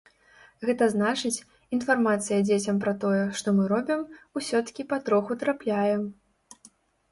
Гэта значыць, інфармацыя дзецям пра тое, што мы робім усё-ткі патроху трапляе.